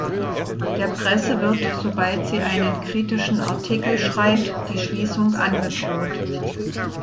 Der Presse wird, sobald sie einen kritischen Artikel schreibt, die Schließung angedroht.